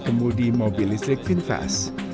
pembangunan mobil listrik finfest